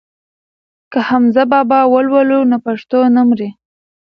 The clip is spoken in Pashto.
که حمزه بابا ولولو نو پښتو نه مري.